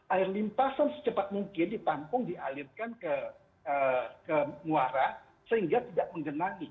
air limpasan secepat mungkin ditampung dialirkan ke muara sehingga tidak menggenangi